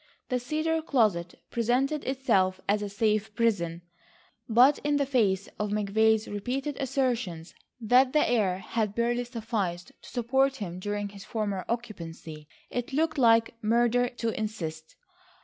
The cedar closet presented itself as a safe prison, but in the face of McVay's repeated assertions that the air had barely sufficed to support him during his former occupancy, it looked like murder to insist.